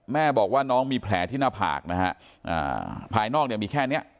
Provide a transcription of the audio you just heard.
แม่บอกว่าน้องมีแผลที่หน้าผากนะฮะภายนอกเนี่ยมีแค่เนี้ย